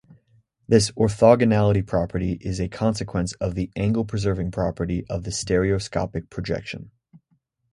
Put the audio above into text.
This orthogonality property is a consequence of the angle-preserving property of the stereoscopic projection.